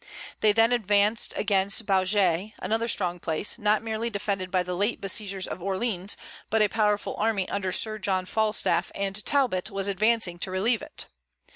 They then advanced against Baugé, another strong place, not merely defended by the late besiegers of Orleans, but a powerful army under Sir John Falstaff and Talbot was advancing to relieve it.